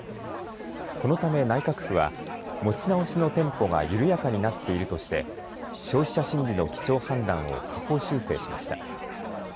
このため内閣府は持ち直しのテンポが緩やかになっているとして消費者心理の基調判断を下方修正しました。